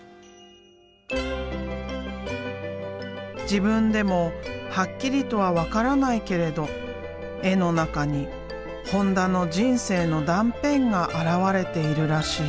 自分でもはっきりとは分からないけれど絵の中に本田の人生の断片が現れているらしい。